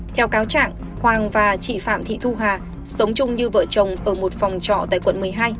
theo cáo trạng hoàng và chị phạm thị thu hà sống chung như vợ chồng ở một phòng trọ tại quận một mươi hai